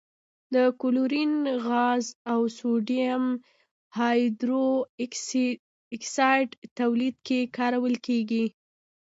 د کلورین غاز او سوډیم هایدرو اکسایډ تولید کې کارول کیږي.